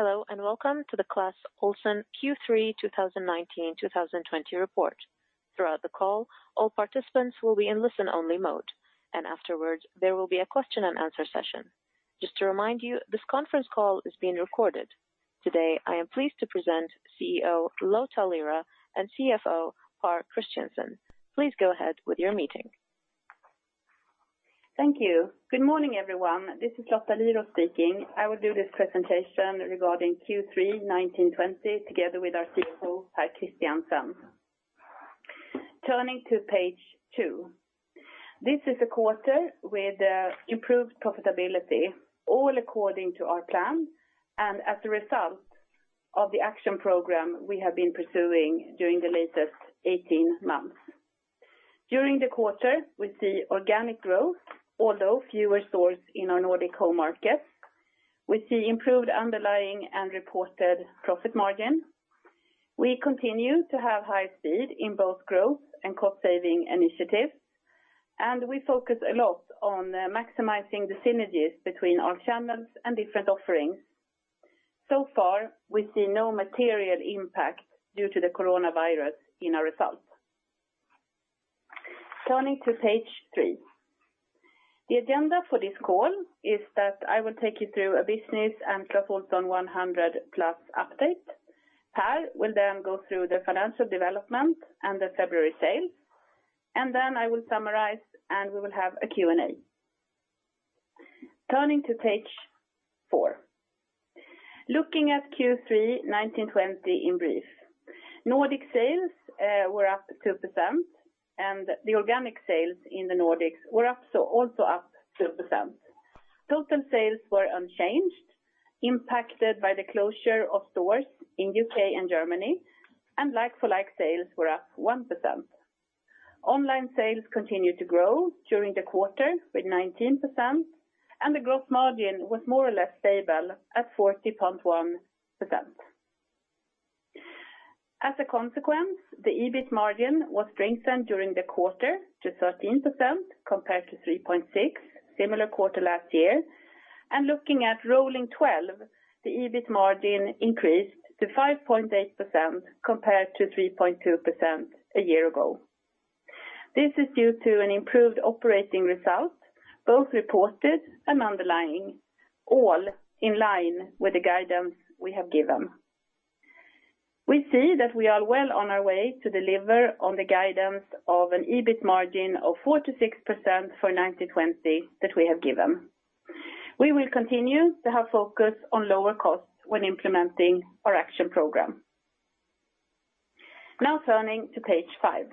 Hello, welcome to the Clas Ohlson Q3 2019, 2020 report. Throughout the call, all participants will be in listen only mode, and afterwards there will be a question and answer session. Just to remind you, this conference call is being recorded. Today, I am pleased to present CEO Lotta Lyrå and CFO Pär Christiansen. Please go ahead with your meeting. Thank you. Good morning everyone. This is Lotta Lyrå speaking. I will do this presentation regarding Q3 2019-2020 together with our CFO, Pär Christiansen. Turning to page 2. This is a quarter with improved profitability, all according to our plan and as a result of the action program we have been pursuing during the latest 18 months. During the quarter, we see organic growth, although fewer stores in our Nordic home market. We see improved underlying and reported profit margin. We continue to have high speed in both growth and cost saving initiatives, and we focus a lot on maximizing the synergies between our channels and different offerings. We see no material impact due to the coronavirus in our results. Turning to page 3. The agenda for this call is that I will take you through a business and Clas Ohlson 100+ update. Pär will go through the financial development and the February sales, I will summarize, we will have a Q&A. Turning to page 4. Looking at Q3 2019-2020 in brief, Nordic sales were up 2%, the organic sales in the Nordics were also up 2%. Total sales were unchanged, impacted by the closure of stores in U.K. and Germany, like for like sales were up 1%. Online sales continued to grow during the quarter with 19%, the growth margin was more or less stable at 40.1%. As a consequence, the EBIT margin was strengthened during the quarter to 13% compared to 3.6% similar quarter last year. Looking at rolling 12, the EBIT margin increased to 5.8% compared to 3.2% a year ago. This is due to an improved operating result, both reported and underlying, all in line with the guidance we have given. We see that we are well on our way to deliver on the guidance of an EBIT margin of 4%-6% for 2019-2020 that we have given. We will continue to have focus on lower costs when implementing our action program. Now turning to page 5.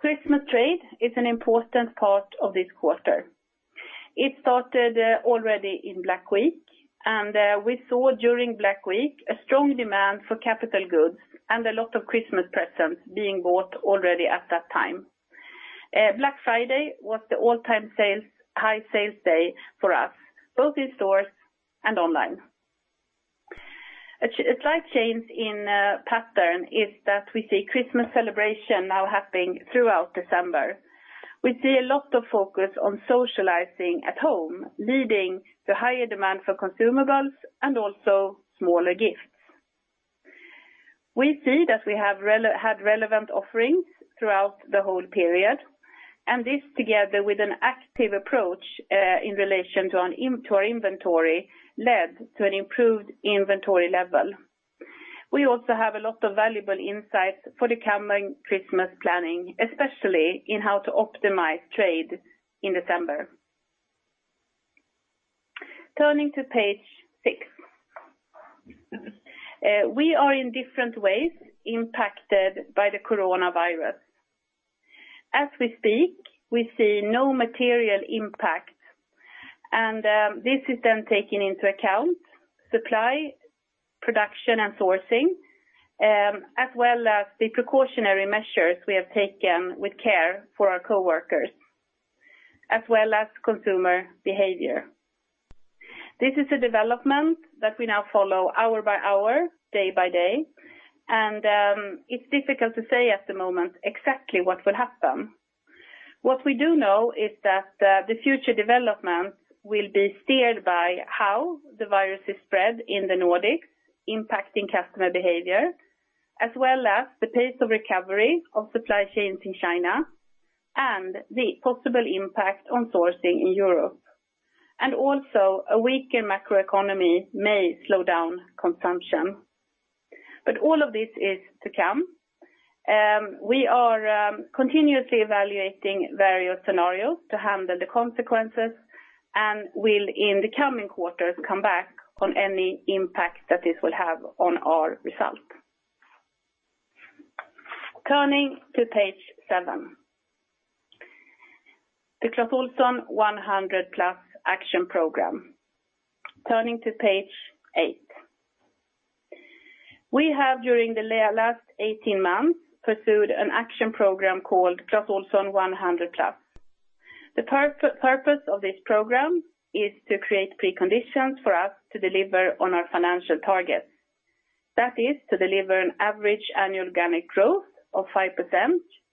Christmas trade is an important part of this quarter. It started already in Black Week, and we saw during Black Week a strong demand for capital goods and a lot of Christmas presents being bought already at that time. Black Friday was the all-time sales, high sales day for us, both in stores and online. A slight change in pattern is that we see Christmas celebration now happening throughout December. We see a lot of focus on socializing at home, leading to higher demand for consumables and also smaller gifts. We see that we had relevant offerings throughout the whole period, this together with an active approach to our inventory led to an improved inventory level. We also have a lot of valuable insights for the coming Christmas planning, especially in how to optimize trade in December. Turning to page six. We are in different ways impacted by the coronavirus. As we speak, we see no material impact, this is then taken into account, supply, production and sourcing, as well as the precautionary measures we have taken with care for our coworkers, as well as consumer behavior. This is a development that we now follow hour by hour, day by day, and it's difficult to say at the moment exactly what will happen. What we do know is that the future developments will be steered by how the virus is spread in the Nordics, impacting customer behavior, as well as the pace of recovery of supply chains in China and the possible impact on sourcing in Europe. Also a weaker macroeconomy may slow down consumption. All of this is to come. We are continuously evaluating various scenarios to handle the consequences and will in the coming quarters come back on any impact that this will have on our results. Turning to page 7. The Clas Ohlson 100+ action program. Turning to page 8. We have during the last 18 months pursued an action program called Clas Ohlson 100+. The purpose of this program is to create preconditions for us to deliver on our financial targets. That is to deliver an average annual organic growth of 5%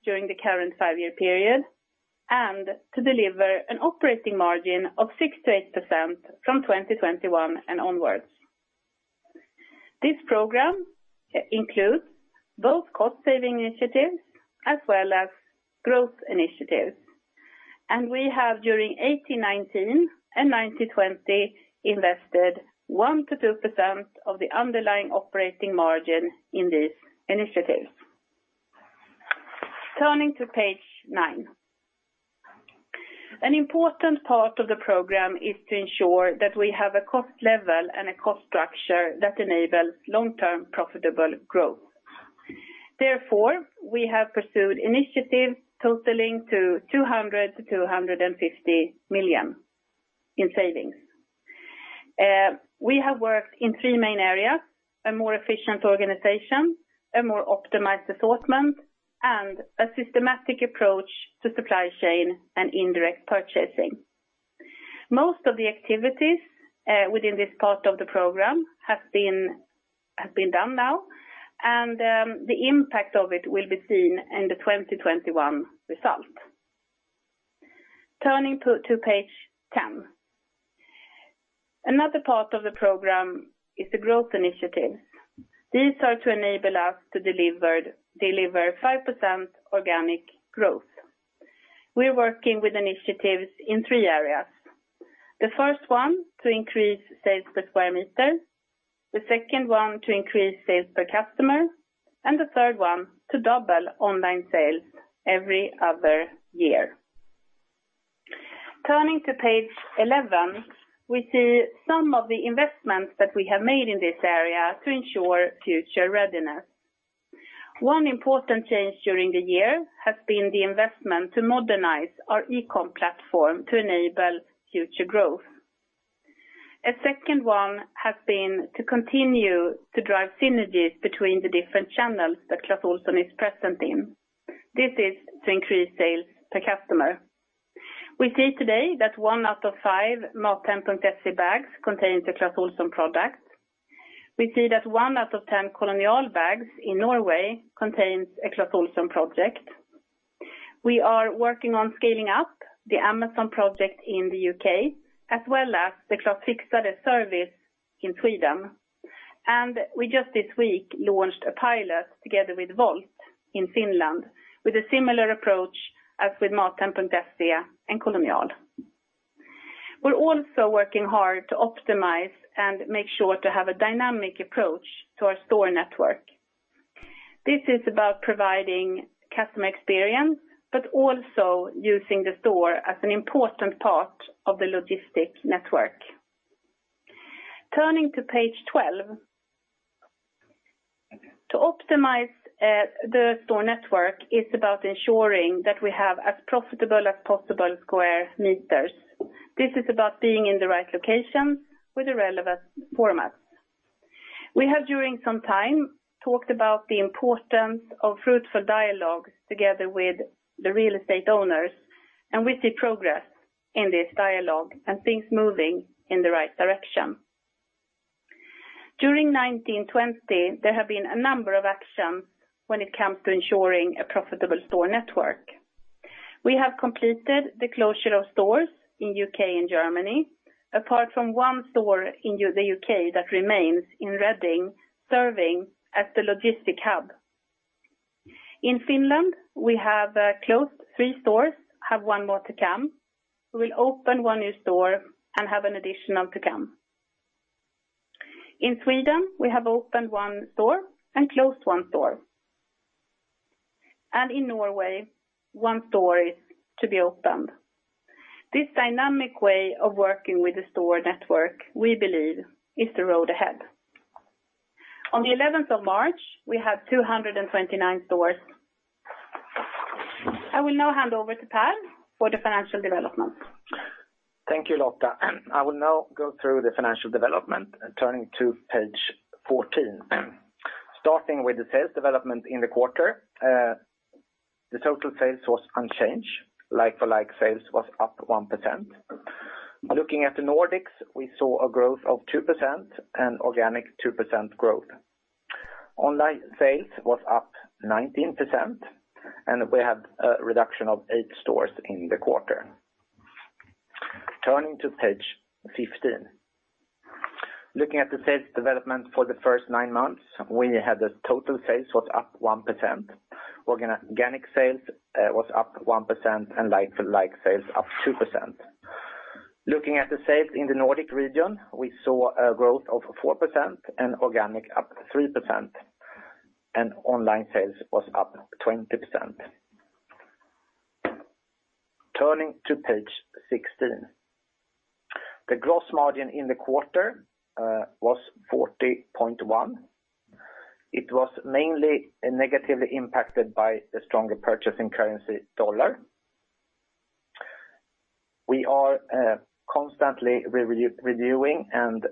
during the current 5 year period, and to deliver an operating margin of 6%-8% from 2021 and onwards. This program includes both cost saving initiatives as well as growth initiatives. We have, during 2018-2019 and 2019-2020, invested 1%-2% of the underlying operating margin in these initiatives. Turning to page 9. An important part of the program is to ensure that we have a cost level and a cost structure that enables long-term profitable growth. Therefore, we have pursued initiatives totaling to 200 million-250 million in savings. We have worked in 3 main areas, a more efficient organization, a more optimized assortment, and a systematic approach to supply chain and indirect purchasing. Most of the activities within this part of the program have been done now, and the impact of it will be seen in the 2021 result. Turning to page 10. Another part of the program is the growth initiatives. These are to enable us to deliver 5% organic growth. We're working with initiatives in 3 areas. The first one, to increase sales per square meter, the second one to increase sales per customer, and the third one to double online sales every other year. Turning to page 11, we see some of the investments that we have made in this area to ensure future readiness. One important change during the year has been the investment to modernize our e-com platform to enable future growth. A second one has been to continue to drive synergies between the different channels that Clas Ohlson is present in. This is to increase sales per customer. We see today that 1 out of 5 MatHem.se bags contains a Clas Ohlson product. We see that 1 out of 10 Kolonial bags in Norway contains a Clas Ohlson product. We are working on scaling up the Amazon project in the UK, as well as the Clas Fixade service in Sweden. We just this week launched a pilot together with Wolt in Finland, with a similar approach as with MatHem.se and Kolonial. We're also working hard to optimize and make sure to have a dynamic approach to our store network. This is about providing customer experience. Also using the store as an important part of the logistic network. Turning to page 12. To optimize the store network is about ensuring that we have as profitable as possible square meters. This is about being in the right location with the relevant formats. We have during some time talked about the importance of fruitful dialogues together with the real estate owners. We see progress in this dialogue and things moving in the right direction. During 2019-2020, there have been a number of actions when it comes to ensuring a profitable store network. We have completed the closure of stores in U.K. and Germany, apart from 1 store in the U.K. that remains in Reading, serving as the logistic hub. In Finland, we have closed 3 stores, have 1 more to come. We will open 1 new store and have an additional to come. In Sweden, we have opened 1 store and closed 1 store. In Norway, 1 store is to be opened. This dynamic way of working with the store network, we believe, is the road ahead. On the 11th of March, we have 229 stores. I will now hand over to Pär for the financial development. Thank you, Lotta. I will now go through the financial development. Turning to page 14. Starting with the sales development in the quarter, the total sales was unchanged. Like-for-like sales was up 1%. Looking at the Nordics, we saw a growth of 2% and organic 2% growth. Online sales was up 19%, and we had a reduction of 8 stores in the quarter. Turning to page 15. Looking at the sales development for the first 9 months, we had the total sales was up 1%. Organic sales was up 1% and like-for-like sales up 2%. Looking at the sales in the Nordic region, we saw a growth of 4% and organic up 3%, and online sales was up 20%. Turning to page 16. The gross margin in the quarter was 40.1%. It was mainly negatively impacted by the stronger purchasing currency dollar. We are constantly reviewing and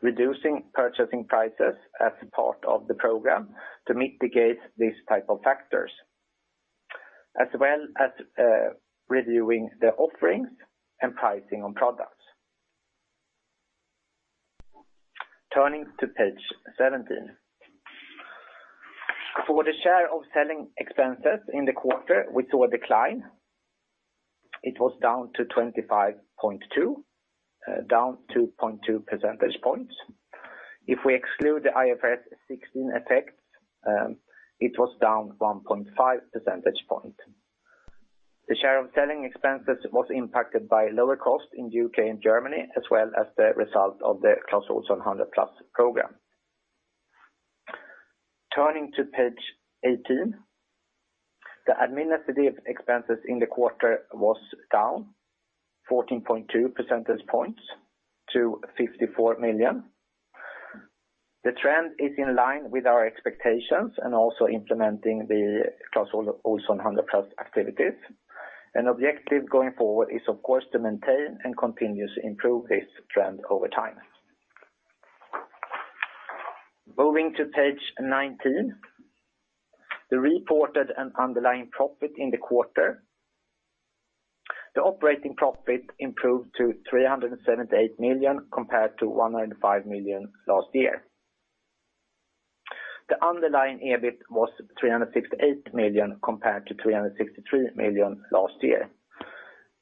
reducing purchasing prices as part of the program to mitigate these type of factors. As well as reviewing the offerings and pricing on products. Turning to page 17. For the share of selling expenses in the quarter, we saw a decline. It was down to 25.2, down 2.2 percentage points. If we exclude the IFRS 16 effects, it was down 1.5 percentage point. The share of selling expenses was impacted by lower costs in U.K. and Germany, as well as the result of the Clas Ohlson 100+ program. Turning to page 18. The administrative expenses in the quarter was down 14.2 percentage points to 54 million. The trend is in line with our expectations and also implementing the Clas Ohlson 100+ activities. An objective going forward is, of course, to maintain and continuously improve this trend over time. Moving to page 19, the reported and underlying profit in the quarter. The operating profit improved to 378 million compared to 105 million last year. The underlying EBIT was 368 million compared to 363 million last year.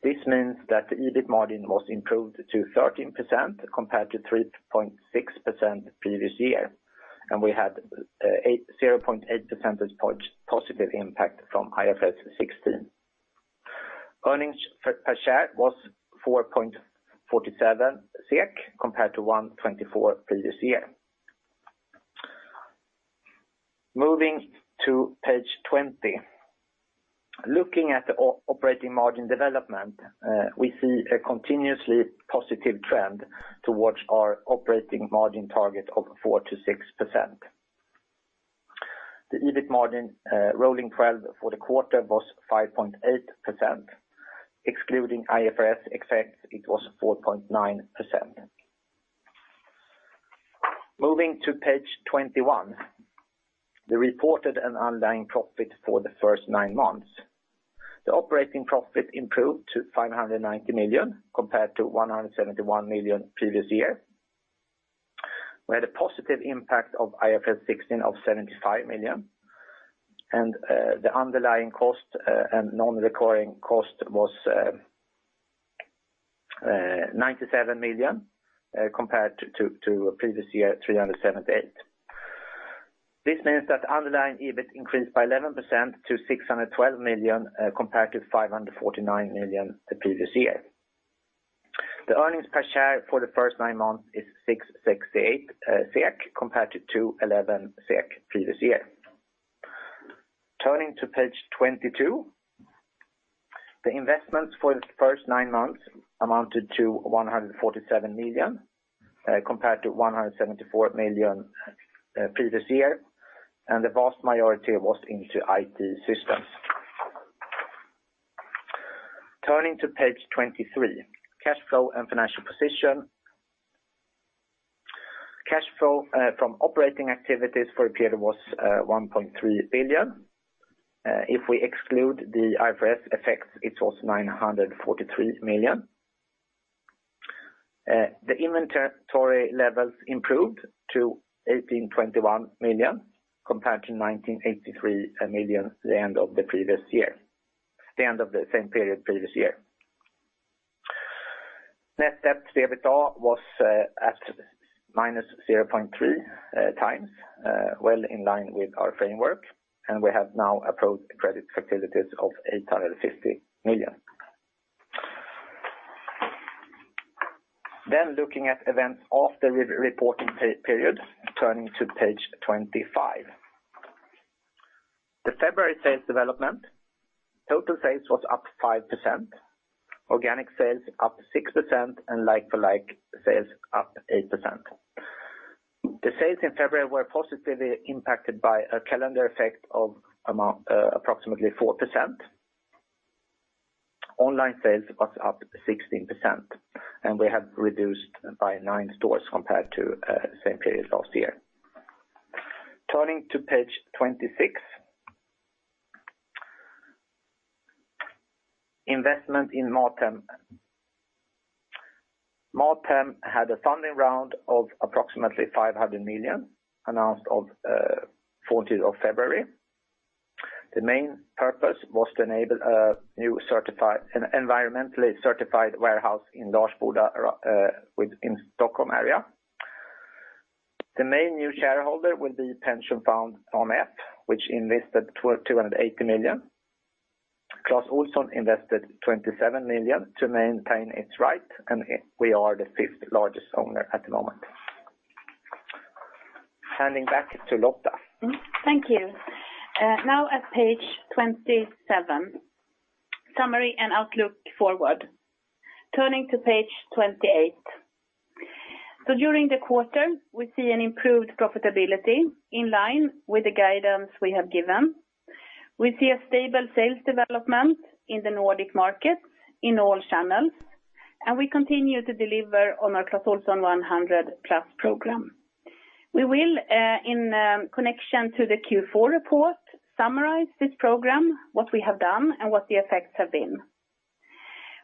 This means that the EBIT margin was improved to 13% compared to 3.6% previous year, and we had 0.8 percentage point positive impact from IFRS 16. Earnings per share was 4.47 compared to 1.24 previous year. Moving to page 20. Looking at the operating margin development, we see a continuously positive trend towards our operating margin target of 4%-6%. The EBIT margin, rolling 12 for the quarter was 5.8%. Excluding IFRS effects, it was 4.9%. Moving to page 21, the reported and underlying profit for the first 9 months. The operating profit improved to 590 million compared to 171 million previous year. We had a positive impact of IFRS 16 of 75 million, and the underlying cost and non-recurring cost was 97 million compared to previous year, 378 million. This means that underlying EBIT increased by 11% to 612 million compared to 549 million the previous year. The earnings per share for the first 9 months is 6.68 compared to 2.11 previous year. Turning to page 22, the investments for the first 9 months amounted to 147 million compared to 174 million previous year. The vast majority was into IT systems. Turning to page 23, cash flow and financial position. Cash flow from operating activities for the period was 1.3 billion. If we exclude the IFRS effects, it was 943 million. The inventory levels improved to 1,821 million compared to 1,983 million the end of the same period previous year. Net debt to EBITDA was at -0.3 times, well in line with our framework. We have now approached credit facilities of 850 million. Looking at events after re-reporting period, turning to page 25. The February sales development, total sales was up 5%, organic sales up 6%, and like-for-like sales up 8%. The sales in February were positively impacted by a calendar effect of approximately 4%. Online sales was up 16%. We have reduced by 9 stores compared to same period last year. Turning to page 26. Investment in MatHem. MatHem had a funding round of approximately 500 million announced of 14th of February. The main purpose was to enable an environmentally certified warehouse in Insjön, in Stockholm area. The main new shareholder will be pension fund AMF, which invested 280 million. Clas Ohlson invested 27 million to maintain its right, and we are the fifth largest owner at the moment. Handing back to Lotta. Thank you. Now at page 27, summary and outlook forward. Turning to page 28. During the quarter, we see an improved profitability in line with the guidance we have given. We see a stable sales development in the Nordic market in all channels, and we continue to deliver on our Clas Ohlson 100+ program. We will in connection to the Q4 report, summarize this program, what we have done, and what the effects have been.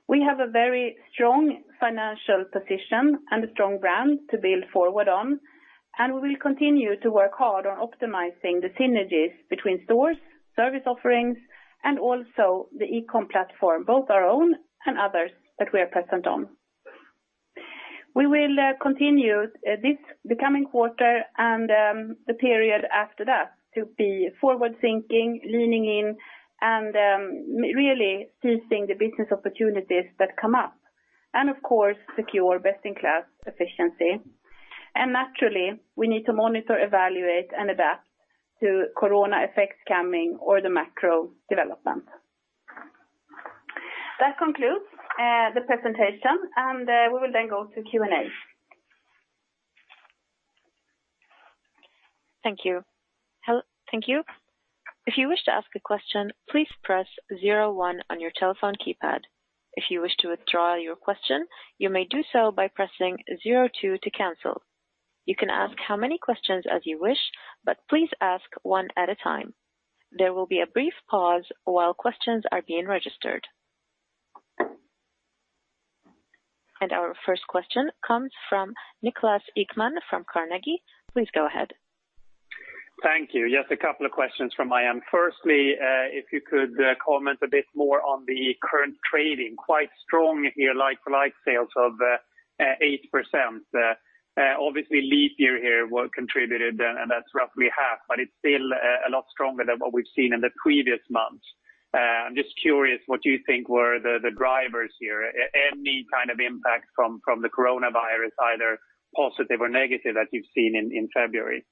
We have a very strong financial position and a strong brand to build forward on, and we will continue to work hard on optimizing the synergies between stores, service offerings, and also the e-com platform, both our own and others that we are present on. We will continue the coming quarter and the period after that to be forward-thinking, leaning in and really seizing the business opportunities that come up, and of course, secure best-in-class efficiency. Naturally, we need to monitor, evaluate, and adapt to corona effects coming or the macro development. That concludes the presentation, and we will then go to Q&A. Thank you. Thank you. If you wish to ask a question, please press zero one on your telephone keypad. If you wish to withdraw your question, you may do so by pressing zero two to cancel. You can ask how many questions as you wish, but please ask one at a time. There will be a brief pause while questions are being registered. Our first question comes from Niklas Ekman from Carnegie. Please go ahead. Thank you. Yes, a couple of questions from my end. Firstly, if you could comment a bit more on the current trading, quite strong here, like, sales of 8%. Obviously, leap year here will contributed, that's roughly half, but it's still a lot stronger than what we've seen in the previous months. I'm just curious what you think were the drivers here. Any kind of impact from the coronavirus, either positive or negative, that you've seen in February?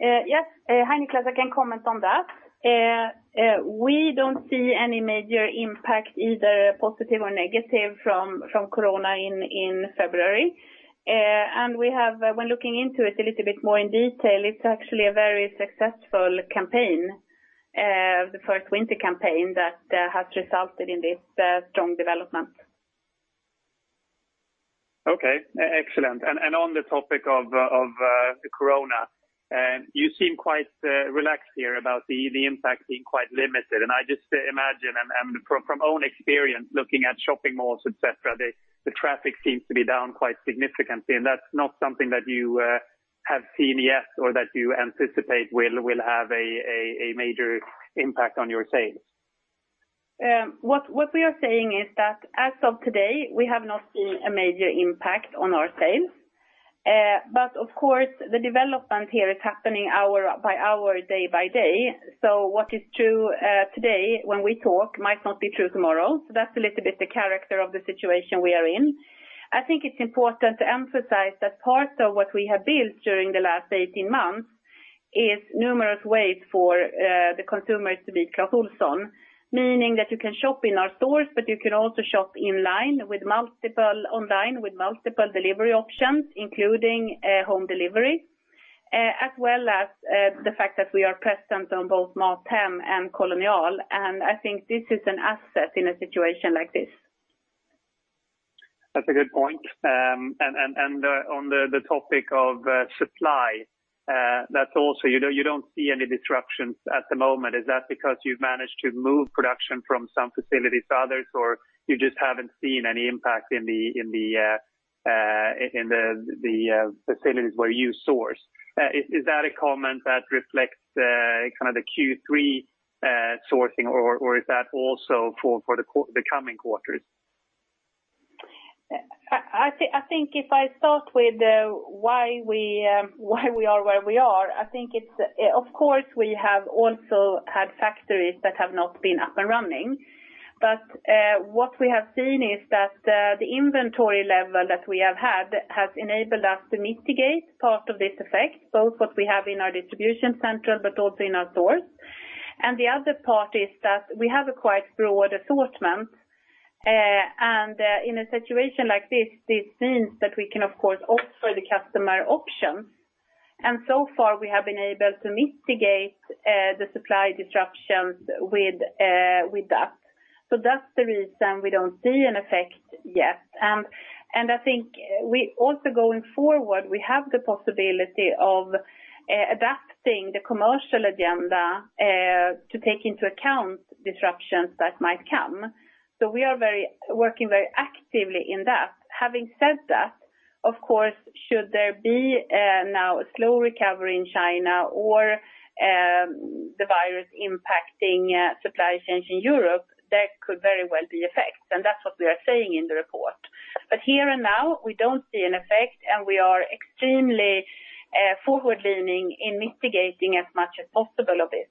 Yes. Hi, Niklas. I can comment on that. We don't see any major impact, either positive or negative, from corona in February. We have, when looking into it a little bit more in detail, it's actually a very successful campaign, the first winter campaign that has resulted in this strong development. Okay. Excellent. On the topic of the corona, you seem quite relaxed here about the impact being quite limited. I just imagine and from own experience, looking at shopping malls, et cetera, the traffic seems to be down quite significantly, and that's not something that you have seen yet or that you anticipate will have a major impact on your sales. What we are saying is that as of today, we have not seen a major impact on our sales. Of course, the development here is happening hour by hour, day by day. What is true today when we talk might not be true tomorrow. That's a little bit the character of the situation we are in. I think it's important to emphasize that part of what we have built during the last 18 months is numerous ways for the consumers to be Clas Ohlson, meaning that you can shop in our stores, but you can also shop online with multiple delivery options, including home delivery, as well as the fact that we are present on both MatHem and Kolonial. I think this is an asset in a situation like this. That's a good point. On the topic of supply, that's also, you know, you don't see any disruptions at the moment. Is that because you've managed to move production from some facilities to others, or you just haven't seen any impact in the facilities where you source? Is that a comment that reflects kind of the Q3 sourcing, or is that also for the coming quarters? I think if I start with why we why we are where we are, I think it's of course, we have also had factories that have not been up and running. What we have seen is that the inventory level that we have had has enabled us to mitigate part of this effect, both what we have in our distribution center, but also in our stores. The other part is that we have a quite broad assortment. In a situation like this means that we can, of course, offer the customer options. So far, we have been able to mitigate the supply disruptions with that. That's the reason we don't see an effect yet. I think we also, going forward, we have the possibility of adapting the commercial agenda to take into account disruptions that might come. We are working very actively in that. Having said that, of course, should there be now a slow recovery in China or the virus impacting supply chains in Europe, there could very well be effects, and that's what we are saying in the report. Here and now, we don't see an effect, and we are extremely forward-leaning in mitigating as much as possible of this.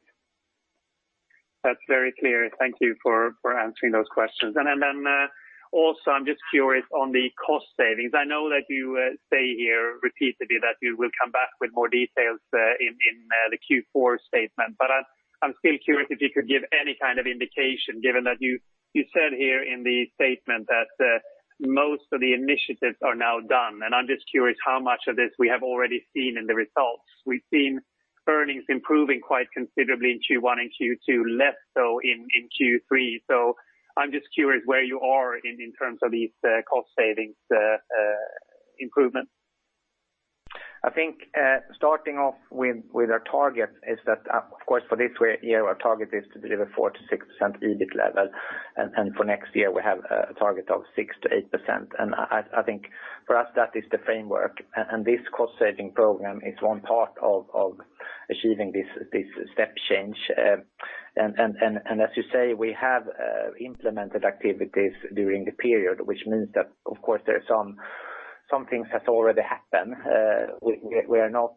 That's very clear. Thank you for answering those questions. Also, I'm just curious on the cost savings. I know that you say here repeatedly that you will come back with more details in the Q4 statement. I'm still curious if you could give any kind of indication, given that you said here in the statement that most of the initiatives are now done, and I'm just curious how much of this we have already seen in the results. Earnings improving quite considerably in Q1 and Q2, less so in Q3. I'm just curious where you are in terms of these cost savings improvement. I think, starting off with our target is that, of course, for this year, our target is to deliver 4%-6% EBIT level. For next year, we have a target of 6%-8%. I think for us, that is the framework. This cost-saving program is one part of achieving this step change. As you say, we have implemented activities during the period, which means that, of course, there are some things has already happened. We are not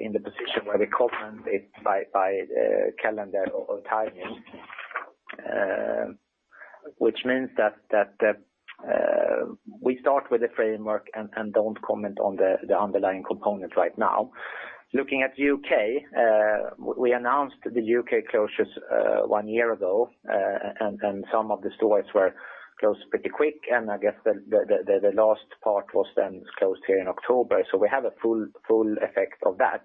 in the position where we comment it by calendar or timing. Which means that, we start with the framework and don't comment on the underlying component right now. Looking at U.K., we announced the U.K. closures one year ago. Some of the stores were closed pretty quick, and I guess the last part was then closed here in October. We have a full effect of that.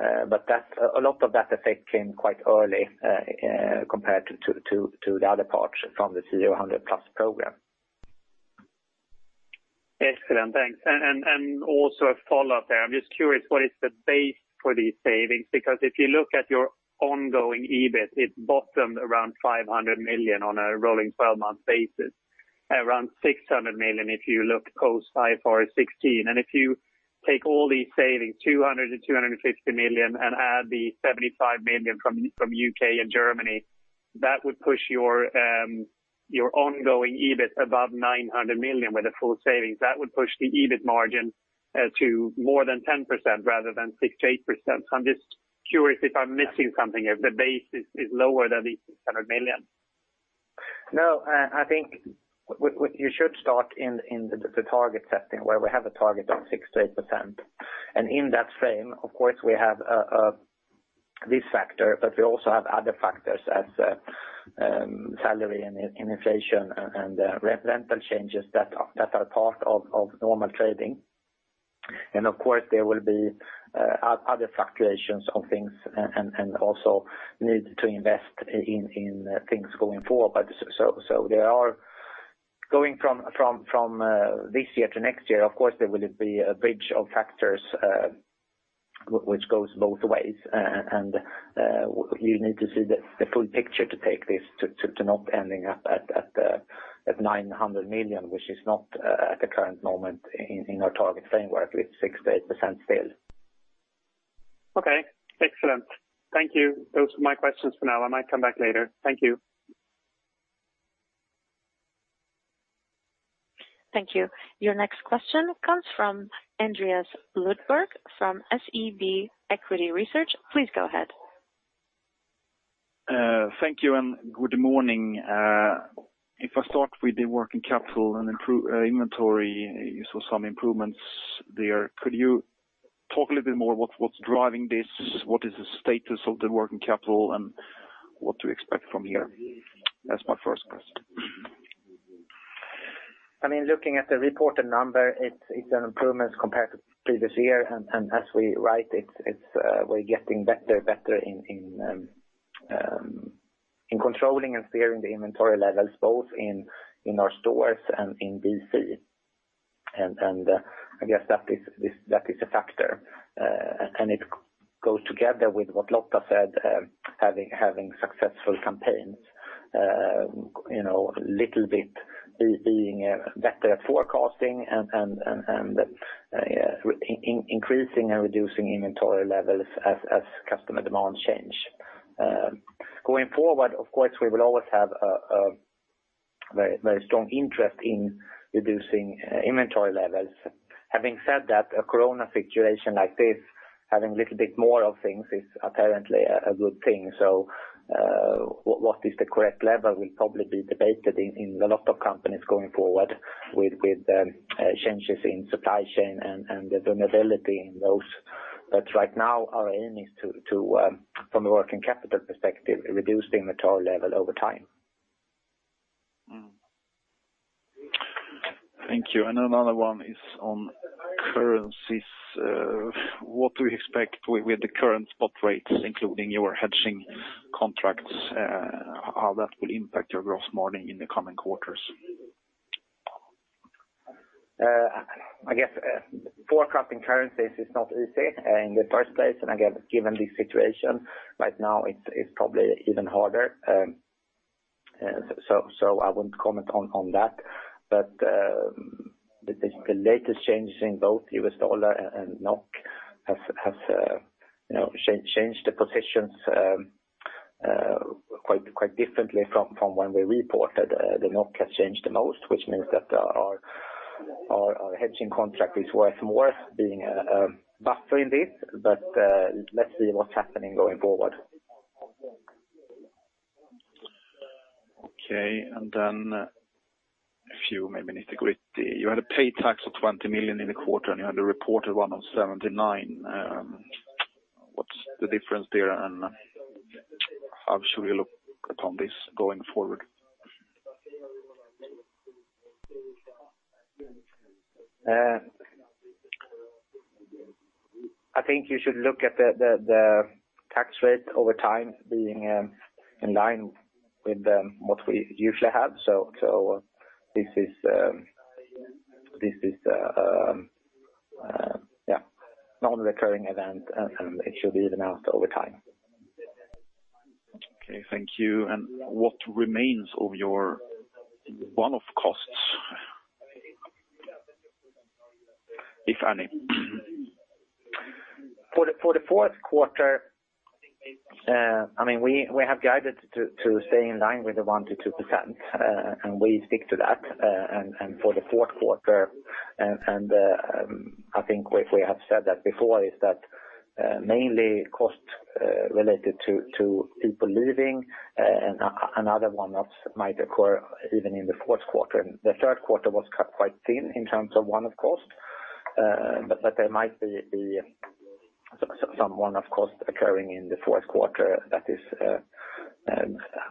A lot of that effect came quite early, compared to the other parts from the Clas Ohlson 100+ program. Excellent. Thanks. Also a follow-up there. I'm just curious, what is the base for these savings? If you look at your ongoing EBIT, it bottomed around 500 million on a rolling 12-month basis, around 600 million if you look post FY2016. If you take all these savings, 200 million-250 million and add the 75 million from UK and Germany, that would push your ongoing EBIT above 900 million with the full savings. That would push the EBIT margin to more than 10% rather than 6%-8%. I'm just curious if I'm missing something, if the base is lower than the 600 million. No, I think what you should start in the target setting where we have a target of 6%-8%. In that frame, of course, we have this factor, but we also have other factors as salary and in-inflation and rental changes that are part of normal trading. Of course, there will be other fluctuations of things and also need to invest in things going forward. There are. Going from this year to next year, of course, there will be a bridge of factors which goes both ways. You need to see the full picture to take this to not ending up at 900 million, which is not at the current moment in our target framework with 6%-8% still. Okay, excellent. Thank you. Those are my questions for now. I might come back later. Thank you. Thank you. Your next question comes from Andreas Lundberg from SEB Equity Research. Please go ahead. Thank you and good morning. If I start with the working capital and improve, inventory, you saw some improvements there. Could you talk a little bit more what's driving this? What is the status of the working capital and what to expect from here? That's my first question. I mean, looking at the reported number, it's an improvement compared to previous year. As we write it's we're getting better in controlling and clearing the inventory levels, both in our stores and in DC. I guess that is a factor. It goes together with what Lotta Lyrå said, having successful campaigns, you know, little bit is being better at forecasting and increasing and reducing inventory levels as customer demand change. Going forward, of course, we will always have very strong interest in reducing inventory levels. Having said that, a corona situation like this, having a little bit more of things is apparently a good thing. What, what is the correct level will probably be debated in a lot of companies going forward with changes in supply chain and the vulnerability in those. Right now, our aim is to, from a working capital perspective, reduce the inventory level over time. Thank you. Another one is on currencies. What do we expect with the current spot rates, including your hedging contracts, how that will impact your gross margin in the coming quarters? I guess forecasting currencies is not easy in the first place. Again, given the situation right now, it's probably even harder. I wouldn't comment on that. The latest changes in both US dollar and NOK has, you know, changed the positions quite differently from when we reported. The NOK has changed the most, which means that our hedging contract is worth more being buffer indeed. Let's see what's happening going forward. Okay. A few maybe nitty-gritty. You had a paid tax of 20 million in the quarter, you had a reported one of 79 million. What's the difference there? How should we look upon this going forward? I think you should look at the tax rate over time being in line with what we usually have. This is, yeah, not a recurring event and it should be even out over time. Okay, thank you. What remains of your one-off costs? If any. For the, for the fourth quarter, I mean, we have guided to stay in line with the 1%-2%. We stick to that. For the fourth quarter and, I think we have said that before, is that mainly costs related to people leaving and other one-offs might occur even in the fourth quarter. The 2nd quarter was cut quite thin in terms of one-off costs, but there might be some one-off costs occurring in the fourth quarter that is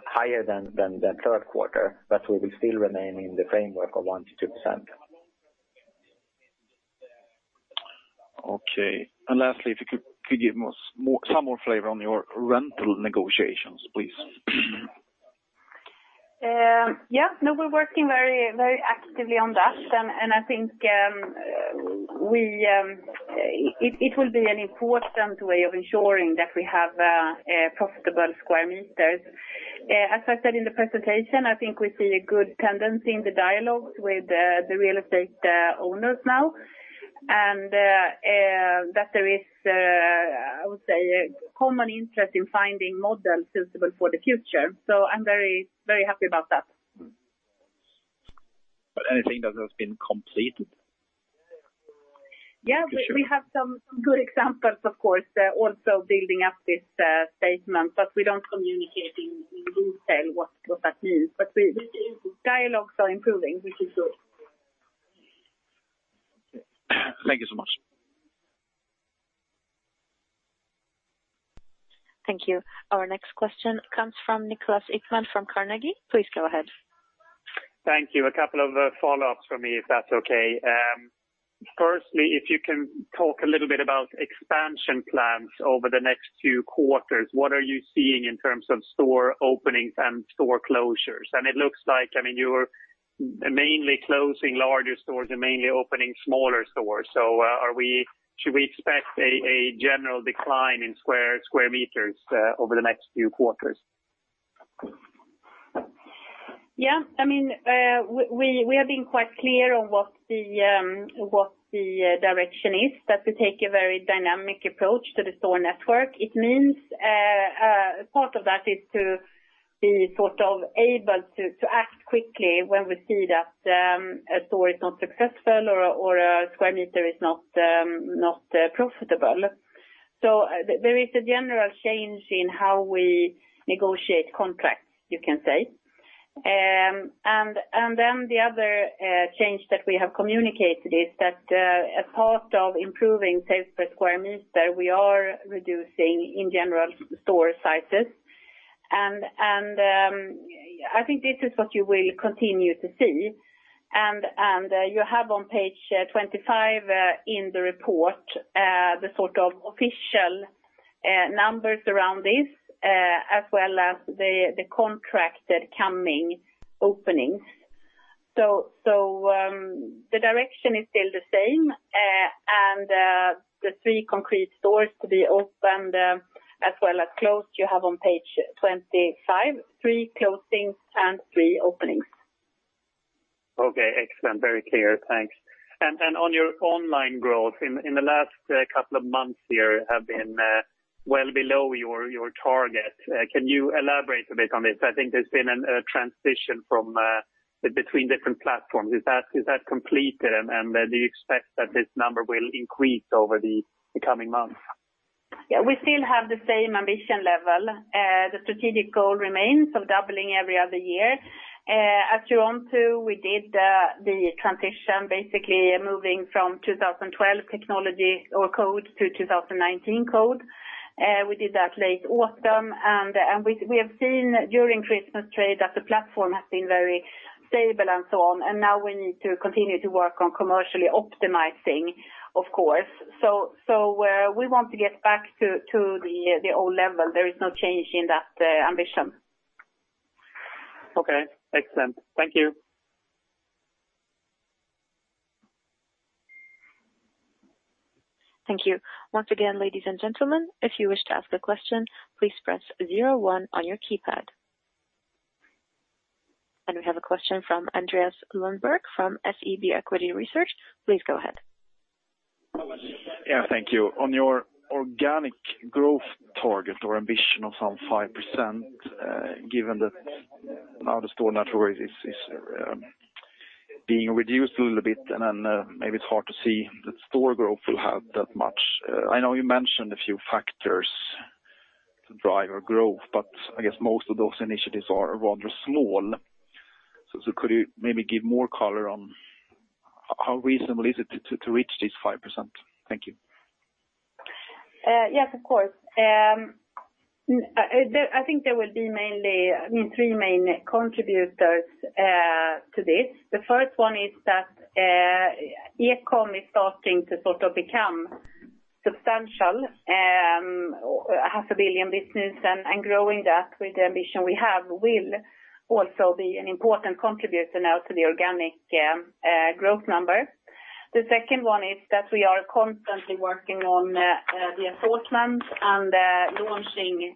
higher than the 2nd quarter. We will still remain in the framework of 1%-2%. Okay. Lastly, if you could give us some more flavor on your rental negotiations, please. Yeah. No, we're working very, very actively on that. I think it will be an important way of ensuring that we have profitable square meters. As I said in the presentation, I think we see a good tendency in the dialogues with the real estate owners now, that there is I would say a common interest in finding models suitable for the future. I'm very, very happy about that. Anything that has been completed? We have some good examples, of course, also building up this statement, but we don't communicate in detail what that means. The dialogues are improving, which is good. Thank you so much. Thank you. Our next question comes from Niklas Ekman from Carnegie. Please go ahead. Thank you. A couple of follow-ups from me, if that's okay. Firstly, if you can talk a little bit about expansion plans over the next two quarters, what are you seeing in terms of store openings and store closures? It looks like, I mean, you're mainly closing larger stores and mainly opening smaller stores. Should we expect a general decline in square meters over the next few quarters? Yeah. I mean, we have been quite clear on what the, what the direction is, that we take a very dynamic approach to the store network. It means, part of that is to be sort of able to act quickly when we see that, a store is not successful or a square meter is not profitable. There is a general change in how we negotiate contracts, you can say. The other change that we have communicated is that, as part of improving sales per square meter, we are reducing, in general, store sizes. I think this is what you will continue to see. You have on page 25 in the report, the sort of official numbers around this, as well as the contracted coming openings. The direction is still the same. The 3 concrete stores to be opened, as well as closed, you have on page 25, 3 closings and 3 openings. Okay. Excellent. Very clear. Thanks. On your online growth, in the last couple of months here have been well below your target. Can you elaborate a bit on this? I think there's been an transition from between different platforms. Is that completed? Do you expect that this number will increase over the coming months? Yeah. We still have the same ambition level. The strategic goal remains of doubling every other year. At Euron too, we did the transition, basically moving from 2012 technology or code to 2019 code. We did that late autumn, and we have seen during Christmas trade that the platform has been very stable and so on. Now we need to continue to work on commercially optimizing, of course. We want to get back to the old level. There is no change in that ambition. Okay. Excellent. Thank you. Thank you. Once again, ladies and gentlemen, if you wish to ask a question, please press zero one on your keypad. We have a question from Andreas Lundberg from SEB Equity Research. Please go ahead. Yeah. Thank you. On your organic growth target or ambition of some 5%, given that now the store network is being reduced a little bit and then, maybe it's hard to see that store growth will have that much. I know you mentioned a few factors to drive your growth, but I guess most of those initiatives are rather small. Could you maybe give more color on how reasonable is it to reach this 5%? Thank you. Yes, of course. I think there will be mainly, I mean, three main contributors to this. The first one is that e-com is starting to sort of become substantial, half a billion business and growing that with the ambition we have will also be an important contributor now to the organic growth number. The second one is that we are constantly working on the assortment and launching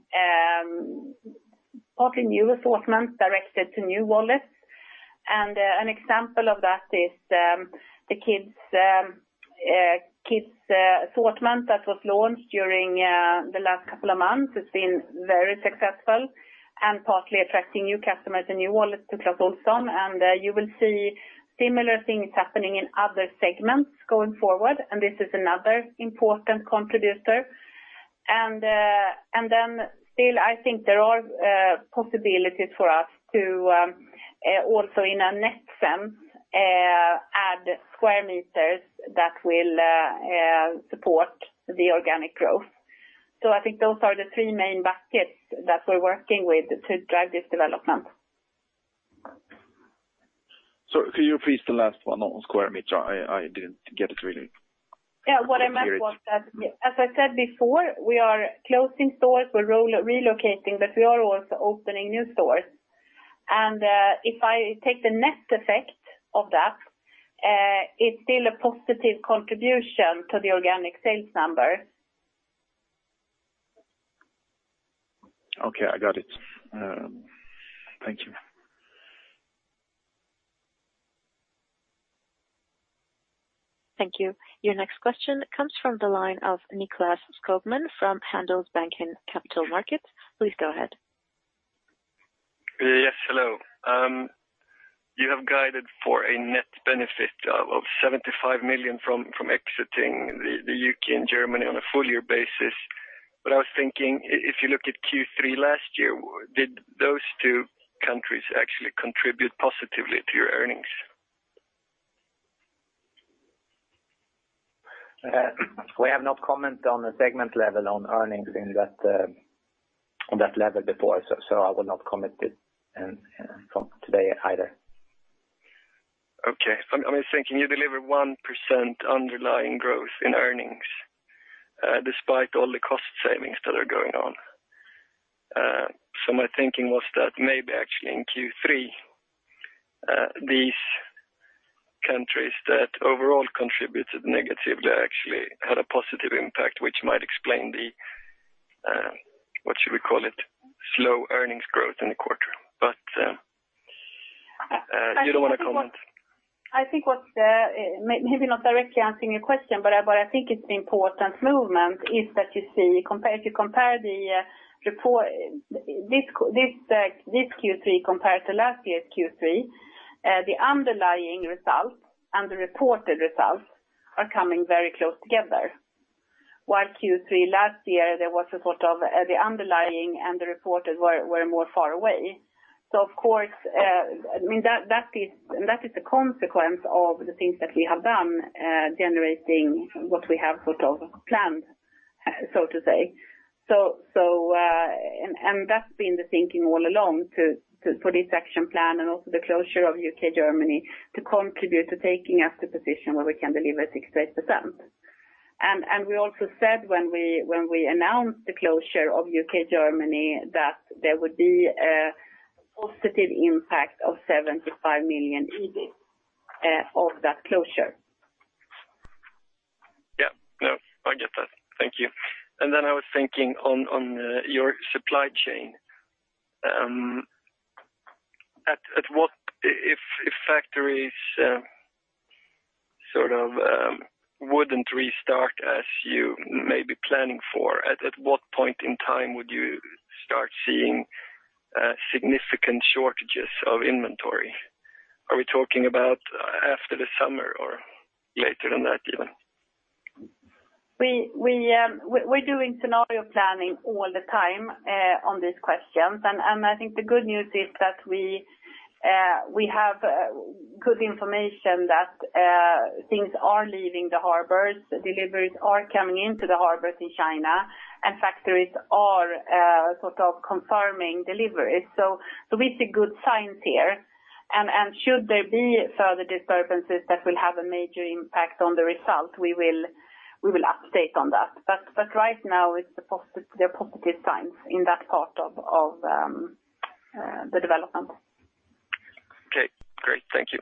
partly new assortment directed to new wallets. An example of that is the kids' assortment that was launched during the last couple of months. It's been very successful and partly attracting new customers and new wallets to Clas Ohlson. You will see similar things happening in other segments going forward, and this is another important contributor. Then still, I think there are possibilities for us to also in a net sense add square meters that will support the organic growth. I think those are the three main buckets that we're working with to drive this development. Could you please the last one on square meter? I didn't get it really. Yeah. What I meant was that, as I said before, we are closing stores. We're relocating, but we are also opening new stores. If I take the net effect of that, it's still a positive contribution to the organic sales number. Okay, I got it. Thank you. Thank you. Your next question comes from the line of Nicklas Skogman from Handelsbanken Capital Markets. Please go ahead. Yes, hello. You have guided for a net benefit of 75 million from exiting the UK and Germany on a full year basis. I was thinking if you look at Q3 last year, did those two countries actually contribute positively to your earnings? We have no comment on the segment level on earnings in that, on that level before, so I will not comment it today either. I'm just thinking you deliver 1% underlying growth in earnings, despite all the cost savings that are going on. My thinking was that maybe actually in Q3, these countries that overall contributed negatively actually had a positive impact, which might explain the, what should we call it, slow earnings growth in the quarter. You don't wanna comment. I think what, maybe not directly answering your question, but I think it's important movement is that you see compared, if you compare the report, this Q3 compared to last year's Q3, the underlying results and the reported results are coming very close together. While Q3 last year, there was a sort of, the underlying and the reported were more far away. So of course, I mean, that is, and that is a consequence of the things that we have done, generating what we have sort of planned, so to say. So, and that's been the thinking all along to for this action plan and also the closure of U.K., Germany, to contribute to taking us to position where we can deliver 6% to 8%. We also said when we announced the closure of UK, Germany, that there would be a positive impact of 75 million EBIT of that closure. Yeah. No, I get that. Thank you. I was thinking on your supply chain. If factories sort of wouldn't restart as you may be planning for, at what point in time would you start seeing significant shortages of inventory? Are we talking about after the summer or later than that even? We're doing scenario planning all the time on these questions. I think the good news is that we have good information that things are leaving the harbors, deliveries are coming into the harbors in China, and factories are sort of confirming deliveries. We see good signs here. Should there be further disturbances that will have a major impact on the result, we will update on that. Right now it's there are positive signs in that part of the development. Okay, great. Thank you.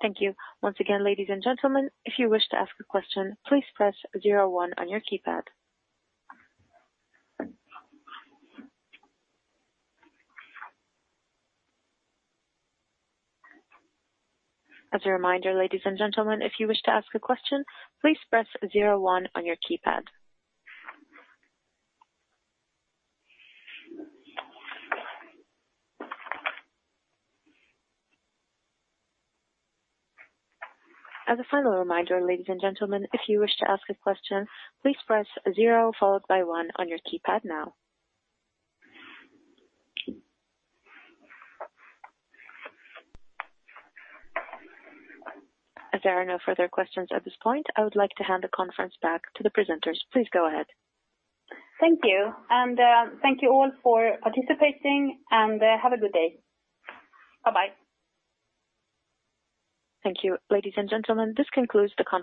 Thank you. Once again, ladies and gentlemen, if you wish to ask a question, please press 01 on your keypad. As a reminder, ladies and gentlemen, if you wish to ask a question, please press 01 on your keypad. As a final reminder, ladies and gentlemen, if you wish to ask a question, please press 0 followed by 1 on your keypad now. As there are no further questions at this point, I would like to hand the conference back to the presenters. Please go ahead. Thank you. Thank you all for participating, and have a good day. Bye-bye. Thank you. Ladies and gentlemen, this concludes the conference call.